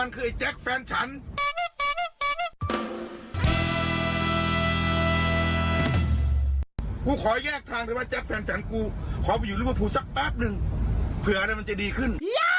กูขอยี้ยากทางในว่าแจ๊คแฟนฉันกูขอมีอยู่รูปผู้สักแป๊บนึงเผื่อมันจะดีขึ้น